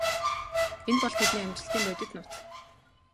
Энэ бол тэдний амжилтын бодит нууц.